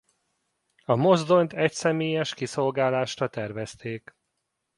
A mozdonyt egyszemélyes kiszolgálásra tervezték.